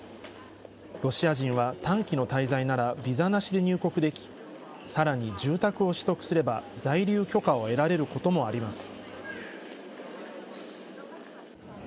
ロシア人は、短期の滞在ならビザなしで入国できさらに住宅を取得すれば在留許可を得られることもあります。